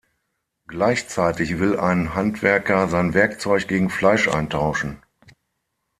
Gleichzeitig will ein Handwerker sein Werkzeug gegen Fleisch eintauschen.